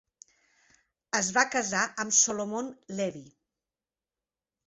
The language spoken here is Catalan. Es va casar amb Solomon Levy.